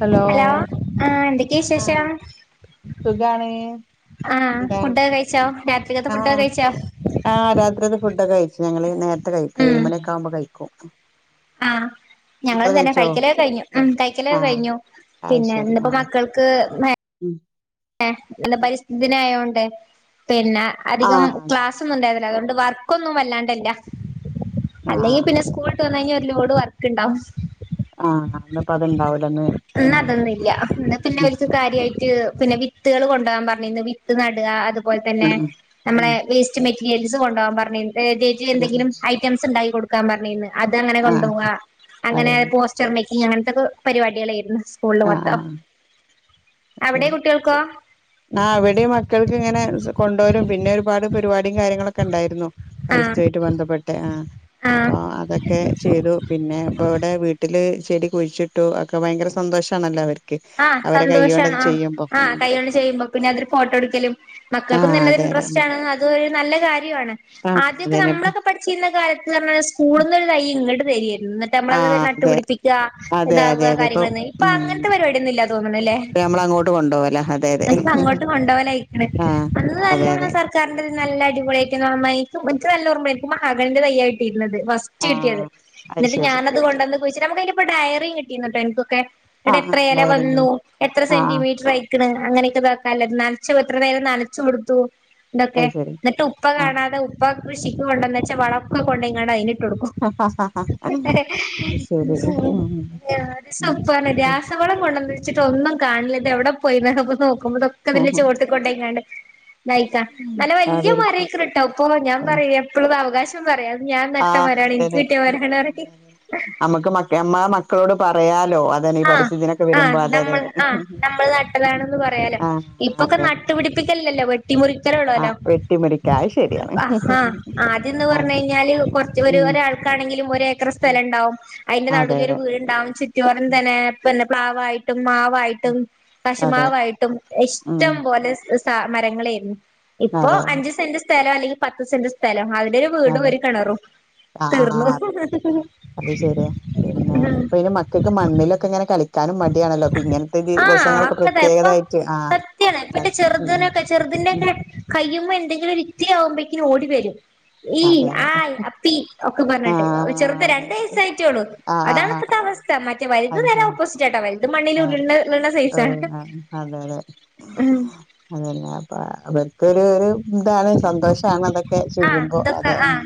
Hello ആ എന്തൊക്കെയ ആ വിശേഷം സുഖാണ് ആ എന്താ ഫുഡൊക്കെ കഴിച്ചോ രാത്രികത്തെ ആ ഫുഡൊക്കെ കഴിച്ചോ ആ രാത്രി ഫുഡൊക്കെ കഴിച്ചു ഞങ്ങള് നേരത്തെ കഴിക്കു ഉം ഏഴുമണി ഒക്കെ ആകുമ്പോ കഴിക്കും ഞങ്ങ നിങ്ങള് തന്നെ കഴിച്ചോ കഴിക്കലൊ കഴിഞ്ഞു ഉം കഴക്കലൊ ആഹ് കഴിഞ്ഞു അത് പിന്നെ ശരി ഇപ്പോ ആഹ് മക്കൾക്ക് മേ ഉം ഏ എന്താ പരിസ്ഥിതി ആയോണ്ട് പിന്നെ അധികം ആഹ് ക്ലാസ്സും ഉണ്ടായ ല്ല അതോണ്ട് വർക്കൊന്നും വല്ലാണ്ടേ ആഹ് അല്ലെങ്കി ആഹ് പിന്നെ സ്ക്കൂൾ വിട്ട് വന്ന് കഴിഞ്ഞ ലോട് വർക്ക് ഉണ്ടാവും ആഹ് ഇന്നിപ്പോ അത്ണ്ടാവൂലന്ന് ഇന്ന് ഉം അതൊന്നുംല്ല ഇന്ന് പിന്നെ ഉം അവർക്ക് കാര്യമായിട്ട് പിന്നെ വിത്തുകൾ കൊണ്ടുപോകാൻ പറഞ്ഞിന്ന് വിത്ത് നടുക അതുപോലെ തന്നെ ഉം നമ്മളെ ഉം വേസ്റ്റ് മറ്റി ൽസ് കൊണ്ട് പോവാൻ പറഞ്ഞ് ആഹ് എന്തെങ്കിലും ഐറ്റംസ് ഉണ്ടായി കൊടുക്കാൻ പറഞ്ഞന്ന് അത് അങ്ങനെ ആഹ് കൊണ്ടുപോവുക അതെ അങ്ങനെ പോസ്റ്റർ മേക്കിങ് അങ്ങനത്തെക്കെ പരിപാടികൾ ചെയ്യുന്നു സ്കൂളിൽ അതെ ആഹ് മൊത്തം ആഹ് എവിടെ ശരി കു ആ അവിടെയും മക്കൾക്ക് ഇങ്ങനെ കൊണ്ട് വരും പിന്നെ ഒരുപാട് പരിപാടിയും കാര്യങ്ങളൊക്കെ ഉണ്ടായിരുന്നു ആഹ് പരിസ്ഥിയുമായിയിട്ട് ബന്ധപ്പെട്ടെ ആഹ അപ്പൊ ആഹ് അതൊക്കെ ചെയ്തു പിന്നെ ഇപ്പ ഇവിടെ വീട്ടില് ചെടി കുഴിച്ചിട്ടു ഒക്കെ ഭയങ്കര സന്തോഷമാണല്ലോ അവർക്ക് ആഹ് അവരെ കൈ സന്തോഷാണ് കൊണ്ടത് ആഹ് ചെയ്യുമ്പ ആഹ് ഉ കൈകൊണ്ട് പിന്നെ അതൊരു ഫോട്ടോ എടുക്കലും ആ മക്കൾക്ക് നല്ല അതെ അതെ ഇന്ററസ്റ്റ് ഉം ആണ് അതൊരു നല്ല കാര്യം ആണ് ആ ആദ്യമൊക്കെ അതന്നെ ഇപ്പ നമ്മളൊക്കെ പഠിച്ചിരുന്ന കാലത്തെന്നു പറഞ്ഞാല് സ്കൂളിൽ നിന്ന് ഒരു തൈ ഇങ്ങോട്ട് തരികയായിരുന്നു എന്നിട്ട് ആ നമ്മളത് അതെ നട്ടുപിടിപ്പിക്കുക ഇതാകുക കാര്യങ്ങള് ഇപ്പൊ അങ്ങനത്തെ പരിപാടി അ അപ്പ നമ്മള അങ്ങോട്ട് കൊണ്ടുപോവല്ല അതെ അതെ അങ്ങോട്ട് കൊണ്ടപോലെയിക്കണല്ലേ ആ അന്ന് അതെ അതെ നല്ലോണം സർക്കാരിന്റെ നല്ല അടിപൊളിയായിട്ടും മറ്റ ന മകലിന്റെ തയ്യായിരുന്നു കിട്ടിയത് ഫസ്റ്റ് ആ കിട്ടിയത് അത് എന്നിട്ട് ശരി ഞാനത് കൊണ്ടെന്ന് കുഴിച്ചിട്ട് ഇപ്പൊ ഡയറി കിട്ടീന്നട്ടോ എനിക്കൊക്കെ ആഹ ആ ഡയറി വന്നു ഉണ്ടല്ലേ എത്ര ആ ആ സെന്റിമീറ്റർ ആയി അങ്ങനെയൊക്കെ നോക്ക നനച്ചത് എത്ര നേരം നനച്ചു കൊടുത്തു ഇതൊക്കെ അത് ശരി എന്നിട്ട് ഉപ്പ ആ കാണാതെ ഉപ്പ കൃഷി കൊണ്ടന്ന് വച്ചാ വളക്കെ കൊണ്ടു പോയി അതിലിട്ടു കൊടുക്ക അത് ശരി ഉം ആ അത് ഉം സൂപ്പറാണ് രാസവള അവിന്ന് വെച്ചട്ട ഒന്നും കാണില്ല ഇത് എവിടെ പോയ നോക്കുമ്പോതൊക്കെ അതിന്റെ ഉം. ചുവട്ടിൽക്കോട്ടേക്കണ്ട് നയിക്കാ നല്ലെ വലയ അതൊരു മാറിക്കിട്ടോ ഇപ്പൊ ഞാൻ പറയ എപ്പോഴും അവകാശം ഒ പറയാ അത് ഞാൻ നട്ട മരമാ ണ് എനിക്ക് കട്ടിയ മരാണൊക്കെ നമ്മുക്ക് മമ്മ മക്കളോട് പറയാലോ അതന്നെ ഈ ആഹ് പരിസ്ഥിതിനൊക്കെ ആഹ് വരുമ്പോ അതെ അതെ നമ്മൾ അതെ ആഹ് നമ്മൾ നട്ടതാണെന്ന് പറയാലോ ആഹ് ഇപ്പൊക്കെ അതെ ന അതെ പിടിപ്പിക്കലല്ലോ യൂറികാരമിടുമല്ലോ ആഹ് വെട്ടിമുറിക്ക അത് ശരിയാണ് ആഹ് ആഹ് ആദ്യമൊന്നു അതെ പറഞ്ഞു കഴിഞ്ഞാല് ഉം കൊറ രാൾക്കാണെങ്കിലും ഒരേക്കർ ഉം. സ്ഥലം ഉണ്ടാവും അതിന്റെ അതെ നടുവിലൊരു അതെ വീട്ണ്ടാവും ചുറ്റു ഒ ഉം, പിന്നെ പ്ലാവായിട്ട് ഉം. മാവായിട്ടും അതെ കശുമാവായിട്ടും ഉം ഇഷ്ടം പോലെ സ മരങ്ങളായിരുന്നു ഇപ്പൊ അതെ അതെ അഞ്ച് സെന്റ് സ്ഥലം അല്ലെങ്കിൽ പത്ത് സെന്റ് സ്ഥലം അതിന്റെ ഒരു വീടും ഒരു കിണറും ആ ആ അ തീർന്നു അത് ശരിയാ പിന്നെ ഇപ്പളെ മക്ക മണ്ണിലൊക്കെ ഇങ്ങനെ കളിക്കാനും മടിയാണല്ലോ അപ്പൊ ഇങ്ങനത്തെ ദിവസങ്ങളൊക്കെ പ്രത്യേകതായിട്ട് ആ വയ ഇപ്പ അതെ ഉം ഉം ചെറുതിനൊക്കെ ഉം ചെറുതിന്റെയൊക്ക കയ്യുമേൽ എന്തെങ്കിലും ഇത്തിരിയാകുമ്പോഴേക്കും ഓടി വരും ഈ അതെ അതെ ആയി അപ്പി ഒക്കെ ആ പറഞ്ഞിട്ട് ചെറുത് അതെ രണ്ട് അതെ വയസ്സേ ആയിട്ടോളു ആ ആ അതാണ് ആ ഇപ്പത്തെ അവസ്ഥ മറ്റ വലുത് അത് നേരെ നല്ലെ ശരി ഓപ്പോസിറ്റ് ആട്ടാ വര അത് മണ്ണില് ആ ഉരുണ്ട് ഉരുളണ ഏ, സൈസാ ഉം അതല്ലേ അപ്പൊ അവർക്കൊരു ഇതാണ് സന്തോഷമാണ് അതൊക്കെ ആഹ് ചെയ്യുമ്പോ ഇതൊക്കെ അതെ ആഹ്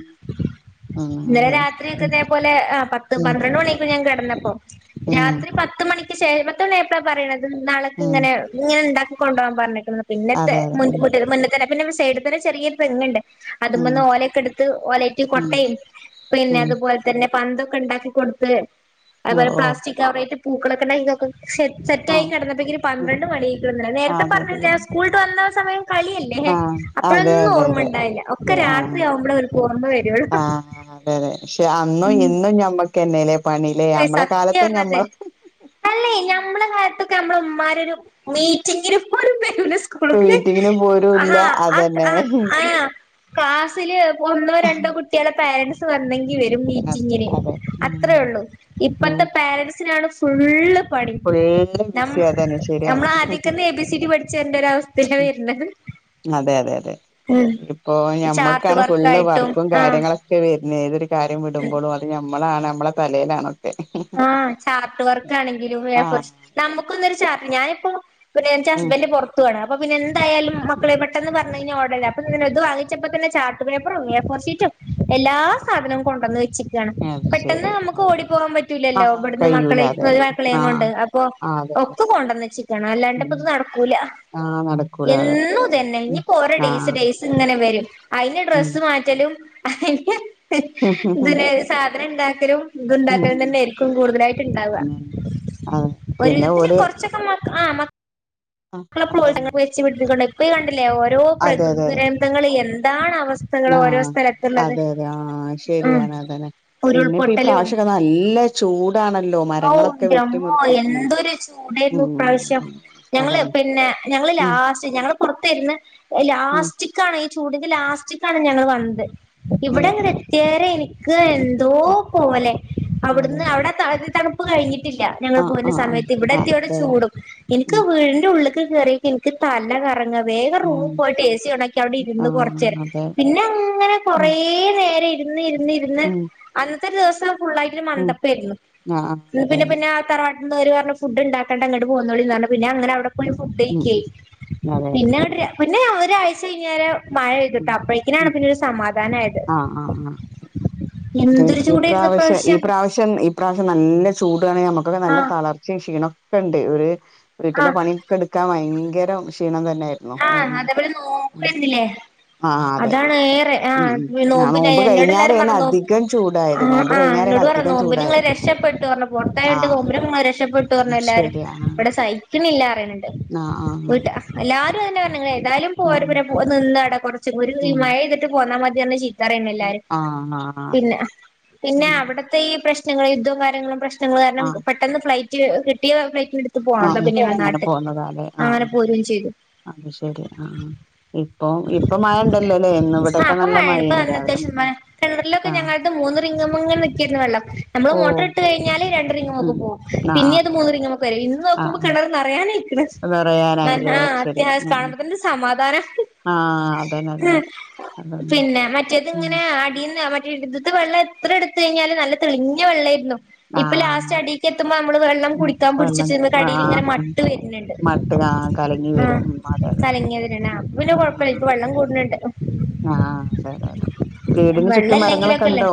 ഉം ഇന്നലെ അതെ രാത്രിക്കേ ഉം ഇതേ പോലെ പത്ത് ഉം പന്ത്രണ്ട് മണിയപ്പോ ഞാൻ കിടന്ന അ ഉം രാത്രി പത്ത് മണിക്ക് ശേഷം പത്ത് മണിയായപ്പോഴാ പറയണത് നാളക്ക് ഉം ഇങ്ങനെ ഇങ്ങനെയുണ്ടാക്കി കൊണ്ടുപോവാൻ പറഞ്ഞക്കുന്നത് പിന്നത്തെ അതെ അതെ മുട്ട മുന്ന തന്നെന്നെ സൈഡിൽ തന്നെ ചെറിയൊരു തെങ്ങുണ്ട് ഉം അതിമിന്ന് ഓലൊക്കെ എടുത്ത് ഓലറ്റ ഉം കൊട്ടയും ഉം പിന്നെ ഉം അതുപോലെ തന്നെ പന്തൊക്കെ ഉണ്ടാക്കി കൊടുത്ത് ഓ അതുപോലെ ഓ പ്ലാസ്റ്റിക് കവറായിട്ട് പൂക്കളൊക്കെണ്ടാക്കിതൊക്കെ െ സെറ്റ് ആ ആയി കിടന്നപ്പോഴക്കക്ക് ഒരു ഉം. പന്ത്രണ്ട് മണിന്നല്ലേ ആ നേരത്തെ അതെ അതെ പറഞ്ഞില്ല അതെ സ്കൂളുട്ട് വന്ന സമയം കളിയല്ലേ ആ അതെ അപ്പോഴൊന്നും അതെ ഓർമ്മ അതെ ഉണ്ടാവില്ല ഒക്കെ ശരി ആ രാത്രി ആവുമ്പോഴേ അവർക്ക് ഓർമ്മ വരുള്ളു ആഹ് അതെ അതെ പക്ഷെ അന്നും ഇന്നും ഞമ്മക്കന്നെല്ലേ പണില്ലേ ല്ലേ നമ്മളെ സത്യം കാലത്തും പറഞ്ഞത് ഞമ്മള് അല്ലേ ഞമ്മള കാലത്ത് നമ്മുടെ ഉമ്മാരുടെ മീറ്റിങ്ങിന് പോയി മീറ്റിങ്ങിനും പോരും ഇല്ല ആ അതന്നെ ആ ആ ക്ലാസ്സില് ഒന്നോ രണ്ടോ കുട്ടികളെ പാരന്റ്സ് വന്നിൽ വരും അതെ മീറ്റിംഗ്ങ്ങിനു അതെ ഉം അത്ര ഉള്ളൂ ഉം ഇപ്പത്തെ പേരെന്റ്സ്നാണ് ഫുള്ള് പണി ഫുള്ള് ബിസി അതന്നെ ശരിയാണ് നമ്മൾ ആദ്യക്കൊന്ന് എബിസിടി പഠിച്ച് വരണ്ട അവസ്ഥയിലാണ് വര്ന്നെ അതെ അതെ അതെ ഇപ്പൊ ചാർട്ട് ഞമ്മുക്കാണ് ഫുള് വർക്കായിട്ടും വർക്കും ആഹ് കാര്യങ്ങളൊക്കെ വരു പിന്നെ ഏതൊരു കാര്യം വിടുമ്പോളും അത് നമ്മളാണ് നമ്മള തലയിലാണത് ആഹ് ചാർട്ട് വർക്കാണെങ്കിലും എ ഫോർ ആഹ് നമ്മുക്ക്ക്കോന്നരു ചാർട്ട് ഞാനിപ്പോ പിന്നെ എനിക്ക് ഉം ഹസ്ബന്ഡറ് പൊറത്തു വാണ് അപ്പൊ പിന്നെ എന്തായാലും മക്കളെ പെട്ടെന്ന് പറ ഓഡർ അപ്പെ ഇത് വാങ്ങിച്ചപ്പോന്നെ ചാർട്ട് പേപ്പും എ ഫോർഷീറ്റും എല്ലാ സാധനവും കൊണ്ടന്ന് വെച്ചിന് അത് പെട്ടെന്ന് ശരി നമുക്ക് ഓടി പോകാൻ പറ്റും ല്ലോ ആഹ് ഇവിടന്ന് കഴിയൂല മക്കളെ അതെ ഇപ്പ അതെ മക്കളെ ആഹ് കൊണ്ട് അപ്പൊ ആഹ് അതെ അതെ ഒക്കെ കൊണ്ടന്ന് വെച്ചിക്കണ് അല്ലാണ്ട് ഉം ഇപ്പ ഇത് നടക്കൂല ആഹ് നടക്കൂല അതെ എന്നു ഇതന്നെ ഉം ഇനിപ്പോ ഡേയ്സ് ആഹ് ഡേസ് ഇങ്ങനെ വരും അയിന്റെ ഉം ഡ്രസ്സ് മാറ്റല് ഉം ഉം സാധന ഉണ്ടാക്കലും ഉം ഉം ഇണ്ടാക്കലും തന്നെആയിരിക്കും കൂടുതലായിട്ട് ഇണ്ടാവ അങ്ങനെ അതെ ഒരു പിന്നെ വിധത്തിന് ഓല് കൊറച്ചൊക്കെ മ ആ ആഹ് അതന്നെ വെച്ച്പിടിത്തിട്ടണ്ട് ഇപ്പ കണ്ടില്ലേ ഓരോ അതെ പ്രകൃതി അതെ അതെ ദുരന്തങ്ങള് എന്താണ് അവ അവസ്ഥകള് ഓരോ ആഹ് സ്ഥലത്തള്ളത് അതെ അതെ ആഹ് ഉം ശരിയാണ് അതന്നെ പിന്നെ ഇപ്പ ഈ ഉരുൾപൊട്ടലും പ്രാവശ്യൊക്കെ നല്ല ചൂടാണല്ലോ ഓ മരങ്ങളൊക്കെ ന്റമ്മോ വെട്ടിമുറിച്ച് ഉം എന്തൊരു ചൂട് എന്തെയിരുന്നു ഉം പ്രാവശ്യം അതന്നെ അതന്നെ പിന്നെ ഞങ്ങള് ഉം ലാസ്റ്റ് ആയിരുന്നു ഞങ്ങള് പൊറത്തഇരുന്നേ ഉം ലാസ്റ്റ്ക്കാണ് ചൂടി ലാസ്റ്റിക്കാണ് ഞങ്ങൾ വന്നത് ഇവിടെ അതെ ഡങ്ങനെ എത്യേരം എനിക്ക് ഉം എന്തോ ഉം പോലെ അതെ അവിടുന്ന് അതെ അവിടെ [unintelligible] കഴിഞ്ഞിട്ടില്ല ഞങ്ങൾ ആഹ് പോരുന്ന ആഹ് ആഹ് സമയത്ത് ഇവിടെ ആഹ് എത്തിയവിടെ അതെ അതെ ചൂടും എനിക്ക് ഉം വീടിന്റെ ഉള്ളിൽ ഇങ്ങട് കേറിക്ക് എനിക്ക് തല കറ- ങ്ങ് വേഗം ഉം റൂമിൽ പോയിട്ട് എ സി ഓണാക്കി അവിടെ ഇരുന്ന് ആഹ് കൊറച്ചേരം അതെ പിന്നെ അങ്ങനെ ഉം കൊറേ നേരം ഇ- ഇരുന്ന് ഇരുന്ന് ഇരുന്ന് ഉം അന്നത്തെ ദിവസം ഫുള്ളായിട്ട് ഒരു ഉം മന്തപ്പായിരുന്നു ആഹ് അതെ പിന്നെ അതെ പിന്നെ തറവാ- അന്ന് അവര് പറഞ്ഞു ഫുഡ് ഇണ്ടക്കണ്ട ഇങ്ങട്ട് പോന്നോളി പറഞ് പിന്നെ അങ്ങനെ അവിടെ - പോയി ഫുഡ് ഉം ഉം കഴിക്കായി അതെ അതെ പിന്നെവിടെ പിന്നെ ഒരാഴ്ച കഴിഞ്ഞേരം- മഴ ഉം പെയ്തിട്ടും അപ്പോഴേക്കിനാണ് ഉം പിന്നെ ഒരു സമാധാനയത് ആഹ് ആഹ് അതെ ഈ പ്രവശ്യം ഈ പ്രാവശ്യം ഈ പ്രാവശ്യം നല്ല ചൂട് നമക്കൊക്കെ നല്ല ആഹ് തളർച്ചയും ക്ഷീണംക്കെ ഉണ്ട് ഒരു വീട്ടിലെ ആഹ് പണിയൊക്കെടുക്കാൻ ഭയങ്ക- ഭയങ്കരം ക്ഷീണം തന്നെ ആഹ അതവിടെ നോക്കുന്നില്ലേ ആഹ് അതെ അതാണ് ഏറെ- ആഹ ഉം ഉം ആ നോമ്പിന നോമ്പ് എന്നോട് എല്ലാരും കഴിഞ്ഞാരേണ് പറഞ്ഞു അധികം ചൂടായത് ആ് നോമ്പ് ആഹ് കഴിഞ്ഞാരേണ് എന്നോട് പറഞ്ഞ അധികം നോമ്പിന് നിങ്ങള് ചൂടായത് രക്ഷ- പെട്ടു പറഞ്ഞു പൊറത്തായണ്ട് ആഹ് നോമ്പിന് രക്ഷപ്പെട്ടു അത് പറഞ്ഞു എല്ലാരും ശരി ആഹ് ഇവിടെ സഹിക്കുന്നില്ല പറയുന്നുണ്ട് ആഹ് ആഹ് വീട്ട ആഹ് എല്ലാ- പറഞ്ഞെ ഏതാലും പോ ഉം പിന്നെ നിന്ന അടെ കുറച്ചും ഒരു ഉം മഴ പെയ്തിട്ട് പോന്നാൽ മതി പറഞ് ചിരി പറയയുന്നെല്ലാരും ആഹ് ആഹ് അതെ പിന്നെ പിന്നെ ഉം അവിടത്തെ ഈ പ്രശ്- യുദ്ധവും കാര്യങ്ങളും പ്രശ്നങ്ങളും കാരണം ആഹ് പെട്ടന്ന് ഫ്ലൈറ്റ് കിട്ടിയ ഫ്ലൈറ്റെടു, - പോണ്ടോ പിന്നെ ആഹ് അങ്ങനെ നാട്ടിൽ പോന്നതാല്ലേ അങ്ങനെ ആഹ് പോരുകയും ചെയ്തു അത് ശെരി ആ ഇപ്പൊ ഇപ്പൊ മഴ ഉണ്ടല്ലോല്ലേ ഇന്ന് ഇവിടെക്കെ നല്ല മഴയെന് രാവിലെ ഉം കെണറിലൊക്കെ ആ ഞങ്ങളത് മൂന്ന് റിംങ്ങ്ങമ്മ ഇങ്ങനെ നിക്കിരുന്നു വെള്ളം നമ്മള് ഓ മോട്ടർ ഇട്ട് കഴിഞ്ഞാൽ ല് രണ്ട് റിങ്ങൊക്കെമ്മ ഉം പോവും ആ ആ പിന്നെ അത് മൂന്ന്റിങ്ങൊക്കെമ്മ വരും ഇന്ന് നോക്കുമ്പോ കേണറു നറയായിക്കാണ് നറയാറായി ശരി ഉം [unintelligible] ഉം കാണുമ്പോ തന്നൊരു സമാധാനം ആ അതന്നെ അതന്നെ അതാണ് പിന്നെ മറ്റേത് ഉം ഇങ്ങനെ അടീന്ന് മറ്റേ ഇത് വെള്ളം എത്ര എടു- എടുത്ത് കഴിഞ്ഞാലും നല്ലെ തെളിഞ്ഞ വെള്ളായിരുന്നു ആ ഇപ്പൊ ലാസ്റ്റ് അടിക്ക് എത്തുമ്പോ നമ്മള് വെള്ളം ഉം കുടിക്കാൻ വെള്ളം പിടിച്ചിട്ട് അടിൽ ഇങ്ങനെ മട്ട് വരുന്നുണ്ട് ആഹ് കലങ്ങി ആ വരുന്ന കലങ്ങിയതിന ആ അപ്പൊ പിന്നെ കൊഴപ്പമില്ല ഇപ്പ വെള്ളം കൂടുന്നുണ്ട് ആഹ ബരോബെ [unintelligible] വെള്ള ഇല്ലെങ്കിലുംക്കെല്ലേ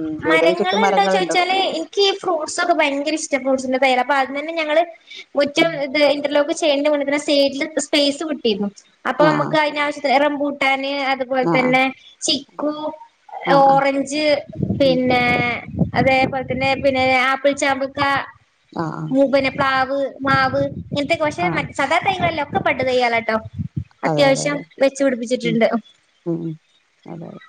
ഉം വീടിന് ചുറ്റും മരങ്ങണ്ടോ മരങ്ങളുണ്ടോ ചോദിച്ചാല് ഉം എനിക്ക്ഈ ഫ്രൂട്ട്സ്ൊക്കെ ഭയങ്കര ഇഷ്ട്ട [unintelligible] ഞങ്ങളെ ഉം ഇന്റർലോക്ക് ചെയ്യണ്ട സ്പേസ് കിട്ടയിരുന്നു അപ്പൊ ആ നമുക്ക് അതിന ആവശ്യത്തി റംപൂട്ടാന് അതുപോലെ ആ ആ തന്നെ ചിക്കു- ആ ആ ആ ഓറഞ്ച് ഉം ഉം. പിന്നെ അതേപോലെ തന്നെ പിന്നെ ആപ്പിൾ ചാമ്പക്ക ആ ആ പ്ലാവ്, മാവ് ഇനത്തെ കൊറേ ആ ആ സദാ കൈങ്ങളല്ല ഒക്കെ പട്ടത് തെയ്യാലാട്ടോ അതെ അതെ അത്യാവശ്യം അതെ വെച്ചു ഉം പിടിപ്പിച്ചിട്ടുണ്ട് ഉം ഉം. അതെ അതെ.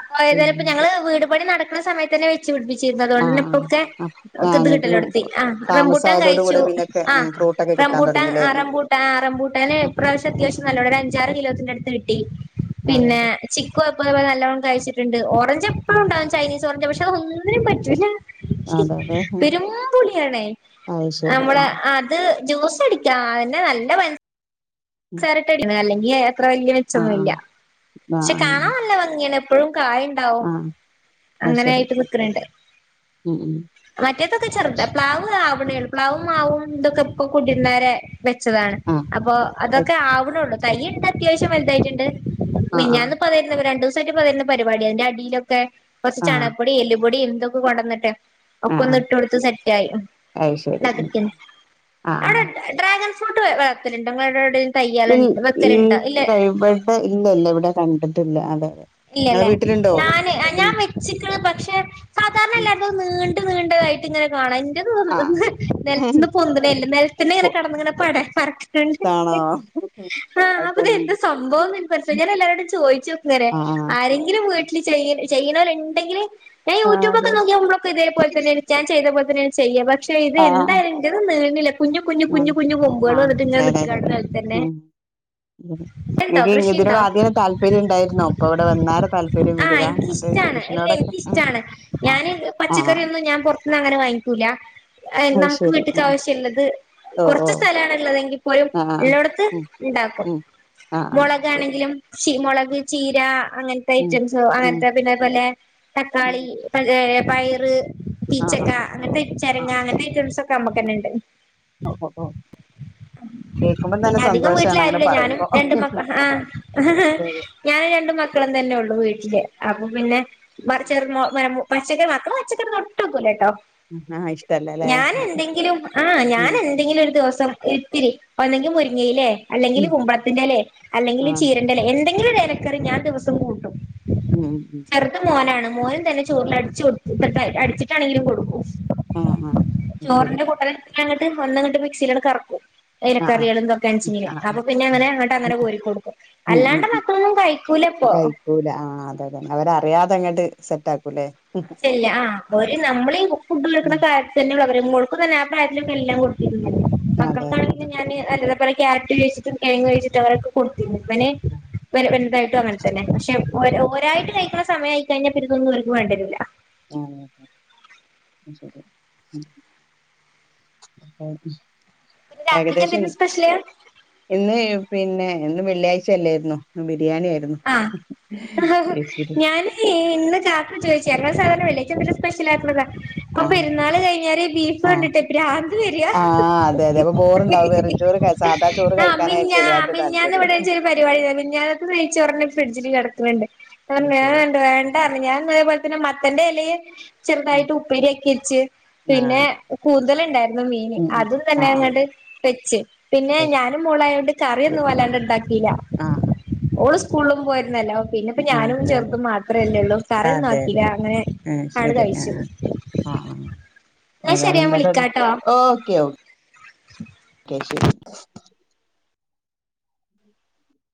അപ്പൊ ഏതാലും ഇപ്പോ പിന്നെ ഞങ്ങള് വീട് പണി നടക്കുന്ന സമയത്ത് തന്നെ പിടിപ്പിച്ചിരുന്നു അതുകൊണ്ട്ന്നെ ആഹ് ഇപ്പൊക്കെ ആഹ് ആഹ് ഇത് ഞങ്ങക്ക് കിട്ടലെടുത്തി ആ് റംബൂട്ടൻ താമസായതോട് കഴിച്ചു കൂടെ പിന്നൊക്കെ ആ് ഉം ഫ്രൂട്ടൊക്കെ കിട്ടാൻ ംബൂട്ടാ തുടങ്ങില്ലേ ആ ഉം റമ്പൂട്ടാ റമ്പൂട്ടൻ ഉം പ്രാവശ്യം അത്യാവശം നല്ല ഒരു അഞ്ചാറ് കിലോത്തിന്റെ അടുത്ത് കിട്ടി അതെ പിന്നെ അതെ ചിക്കു അ നല്ലോണം കഴിച്ചിട്ടുണ്ട്ഓറഞ്ച് എപ്പഴും ആഹ് ഉണ്ടാവും ചൈനീസ് ഓറഞ്ച് പക്ഷെ അത് ഒന്നിനും പറ്റില്ലല്ല അതെ അതെ ഉം വരുപുളിയണേ അത് ശരി നമ്മള ആഹ് അത് ജ്യൂസ്- അതിന്റ നല്ല വലുത് ഉം ഉണ്ട് അത്ര വല്യ ആഹ് മെച്ചൊന്നുമല്ല ആഹ് പക്ഷെ ആഹ് കാണ നല്ല ഭംഗി എപ്പോഴും കായ ഉണ്ടാവും ആഹ് ആഹ് അത് അങ്ങനെ ശരി ആയിട്ട് നിക്കണണ്ട് ഉം ഉം മറ്റേതൊക്കെ ചെറു പ്ലാവ്- അവിടെ എളുപ്പളാവും മാവും ഇതൊക്കെ കൂട്ടിരന്നേ വെച്ചതാണ് ആഹ് അപ്പൊ ആഹ് അതൊക്കെ ആവണള്ളു തൈുണ്ട് അത്യാവശ്യം വലുതായിട്ടുണ്ട് പി ആഹ് ഞാനന്ന് പറരുന്നത് രണ്ട് ദിവസംമായിട്ട് പതരുന്ന പരിപാടിയാണ് എന്റെ അടിയിലൊക്കെ കുറച്ച് ആഹ് ചണകപ്പൊടി, എല്ലുപൊടിയും, ഇതൊക്കെ കൊണ്ടുവന്നിട്ട് ഒക്കെ ആഹ് ഒന്ന് ആഹ് ഇട്ട കൊടുത്ത് സെറ്റ് ആയി അത് ശരി [unintelligible] ആഹ് അവിടെ ഡ്രാഗ ഫ്രൂട്ട് വലർത്തലുണ്ടോ നിങ്ങടാവിടെയും? ഇ [unintelligible] ഇല്ല ഇല്ല ഇവിടെ കണ്ടിട്ടില്ല അതെ അതെ നിങ്ങളെ ഇല്ലല്ലേ വീട്ടിലുണ്ടോ ഞാന് ഞാൻ വെച്ചിക്കള് പക്ഷെ സാധാരണല്ല അത് നീണ്ട് നീണ്ടതായിട്ട് കാണ എന്റെ തോന്ന നിലത്തിന്ന് ആഹ് പൊന്തലല്ല നൽത്തിന്ന ഇങ്ങനെ കടന്ന ഇങ്ങനെ പട പറണ്ട് ആ ആ അപ്പൊത എന്ത് സംഭവംന്ന് എന കുറച്ച ഞാൻ എല്ലാരരോടും ചോദിച്ചു നോക്കുന്നേരെ ആഹ് ആരെങ്കിലും വീട്ടില് ചെയ്യ ചെയ്യണവര്ണ്ടെങ്കില് യൂട്യൂബ്ക്കെ ആഹ് നോക്കിയ നമ്മക്ക ഇതേപലെന്നെയ ാൻ ചെയ്േ പോലെ തന്നെയ ചെയ്യ പക്ഷെ ഇത് ആഹ് എന്തായിങ്കിലും നീണില്ല കുഞ്ഞു കുഞ്ഞു കുഞ്ഞു ആഹ് കുഞ്ഞ് കൊമ്പുക വന്നിട്ട് ഇങ്ങനെ അതെ അതെ നിക്കാ അതെ ആ നെൽ തന്നെ ഉം ഉം എനിക്ക് ഇതിനോട് ആദ്യന താല്പര്യം ഉണ്ടായിുന്നോ അപ്പൊ ആ എനിക്കിഷ്ടാണ് എല്ല കൃഷിനോടൊക്കെ ഉം എനിക്കിഷ്ടണ് ആഹ് ഞാന് ആഹ് പച്ചക്കറിയൊന്നും ഞാൻ പൊ അങ്ങന വാങ്ങിക്കൂല അത് നമുക്ക് ശരി വീട്ടക്ക് ആഹ് ആവശ്യംമുള്ളത് ഓ ഓ കുറച്ച് സ്ഥലണ ഉള്ളതെങ്കിൽ പോലും ആഹ് ഉള്ളടത്ത് ഉം ഇണ്ടാക്കും ഉം ആഹ് ആഹ് മുളക ശരി ആണെങ്കിലും ഉം മുളക് ചീര അങ്ങനത്തെ ഉം ഐറ്റംസോ ഉം അങ്ങനത്തെ പിന്നെപോലെ തക്കാളി, ഉം പയറ് ആഹ് തീച്ചക്ക അങ്ങനത്തെ ചരങ്ങ അങ്ങനത്തെ ഐറ്റംസ് ഒക്കെ നമ്മുക്ക്ന്നെണ്ട് ഒ ഓ കേക്കുമ്പം പിന്നെ തന്നെ അധികം വീട്ടില സന്തോഷാണ് അങ്ങനെ ആരുല്ലോ ഞാനും പറയുമ്പോ രണ്ട മക്ക ആ അതെ ഞാൻ രണ്ട മക്ക മക്കളം തന്നെ ഉള്ളു വീട്ടില് അപ്പൊ പിന്നെ [unintelligible] പച്ചക്കറി മാത്ര പച്ചക്കറി നൊട്ടുംക്കൂല കേട്ടോ അതെ ആഹ് ഇഷ്ടല്ലല്ലേ ഞൻ എന്തെങ്കിലും ആ ഞാന ഉം എന്തെങ്കിലും ഒരു ദിവസം ഇത്തിരി ഒന്നെങ്കിൽ മുരിങ്ങയിലേ അല്ലെങ്കിൽ ഉം കുമ്പളത്തിന്റെലേ അല്ലെങ്കിൽ ആഹ് ചീരറേ എന്ത എ രക്കറി ഞാൻ ദിവസം കൂട്ടും ഉം ഉം ഉം ചെറുത മോനാണ് മോനും തന്നെ ചോറിൽ അടിച്ചു അടിച്ചിട്ടാണെങ്കിലും കൊടുക്കും ആ ആ ശരി. ങ്ങട്ട്ന്നങ്ങട്ട് മിക്സയിലോടെ കറക്കും ആഹ് ആഹ് ഇലക്കറികൾ എന്തൊക്കെ ആഹ് അണിച്ച ആഹ് അപ്പ പിന്നെ ആഹ് അങ്ങനെ അങ്ങട്ട് അങ്ങനെ കോരിക്ക കൊടുക്കും ഉം ഉം അല്ലാണ്ട് ഉം മക്കളൊന്നും കഴി ക്കൂല കഴിക്കൂല ആ അതെ അതെന്നെ അവരറിയാതെ അങ്ങോട്ട് സെറ്റ് ആക്കൂല്ലേ ഉം ചെല്ല് ആ ഒര് നമ്മള് ഈ ബുക് ഫുഡ് വെക്ക്ണ ഉം. കാര്യത്തിതന്നൊള്ളൂ അവര് മോൾക്കും തന്നെ ആ പ്രായത്തിലൊക്കെ എല്ലാം കൊടുത്തീന്നു ഞാന് അതെ അതെ മക്കൾക്കാണെങ്കിലും ഞാന് അലുവ വടെ ക്യാരറ്റ് കഴിച്ചിട്ടും കെഴങ് കഴിച്ചിട്ടും അവരൊക്കെ കൊട് വന് വര് വല്തായിട്ടും അങ്ങനെ തന്നെ പക്ഷെ ഒര് ഓരായിട്ട് കയി ക്കണ സമയായി കഴിഞ്ഞാ പിന്നെ ഇതൊന്നും ഓര്ക്ക് വേണ്ടേരൂല്ല. ആ ആ ആ അത് ശെരിയാമ് പിന്നെ രാത്രിക്ക് ഏകദേശം എന്തേലും സ്പെഷ്യല് ഇന്ന് പിന്നെ ഇന്ന് വെള്ളിയാഴ്ച അല്ലാര്ന്നോ ന്ന് പിൻ ആ ആഹ് ബീഫ് ബിരിയാണി ഞാന് ഇന്ന് കാക്കു ചൊയ്ച്ചങ്ങൾ സാ വെള്ളിയാഴ്ച ന്തേലും സ്പെഷ്യലാക്ക്ണതാ പ്പൊ ആഹ് പെരുന്നാള് കഴിഞ്ഞാര് ബീഫ് ആഹ് കണ്ടിട്ട് പ്രാന്ത് വരാ ആഹ് അതെ അതെ അപ്പൊ ബോറുണ്ടാവും വെറും ചോറ് കഴി സാധാ ചോറ് ആ കഴിക്കാനായിരിക്കും മിഞ്ഞാ ആ എല്ലാർക്കും മിഞ്ഞാന്ന് താല്പര്യം ഇവിടെെച്ചൊരു പരിപാടിയിണ്ടായ് മിഞ്ഞാന്നത്തെ നയിച്ചോറ് ഫ്രിഡ്ജില് കെടക്ക്ണിണ്ട്. അത് ഞാനറഞ്ഞു ഏ ശരി ന്ന്ട്ട് വേണ്ടാറഞ്ഞു ഞാൻന്ന് അതേപോലെ തന്നെ മത്തന്റെ ഇലയെ ചെറുതായിട്ട് ഉപ്പേര്യാക്കേച്ച് പിന്നെ ആഹ് കൂന്തൽ ഇണ്ടാര്ന്നു മീന് ഉം ഉം അതും തന്നെ ആഹ് ആഹ് അങ്ങട് വെച്ച് പിന്നെ അത് ഞാനും മോളായോണ്ട് ശരി കറിയൊന്നും വല്ലാണ്ട് ഇണ്ടാക്കീല്ല. ആഹ് ഓള് സ് സ്കൂളും പോയിരുന്നല്ലോ സ്‌കൂളിലും പോയിര്ന്നല്ലോ പിന്നെപ്പൊ ആഹ് ആഹ് ഞാനും അതെ അതെ ചെറുതും മാത്രല്ലേ ഉള്ളൂ. കറിയൊന്നും ആക്കീല്ല അങ്ങനെ ആ ആണ് ശരി ആ കഴിച്ചു ആ ആ എന്നാ ശരി ഏതായാലും ഞാൻ എന്താകട് വിളിക്കാട്ടോ ഓക്കെ ഓ ക്കെ ശരി